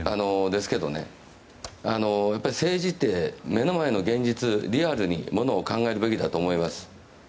政治って目の前の現実、リアルにものを考えるべきだと思います。